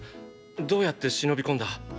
どうやって忍び込んだ？